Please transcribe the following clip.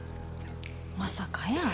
まさかやー。